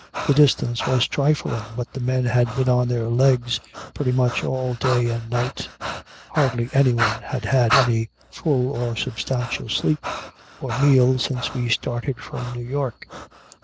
The distance was trifling. But the men had been on their legs pretty much all day and night. Hardly anyone had had any full or substantial sleep or meal since we started from New York.